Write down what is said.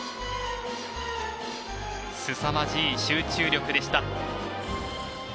すさまじい集中力でした。